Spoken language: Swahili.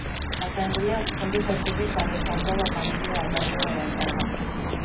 Akaendelea kufundisha shirika alipoondoka kwa njia ya barua au nyaraka